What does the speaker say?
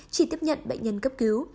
chỉ tiếp nhận bệnh nhân cấp cứu